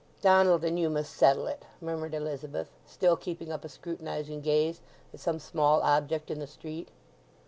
"Donald and you must settle it," murmured Elizabeth, still keeping up a scrutinizing gaze at some small object in the street.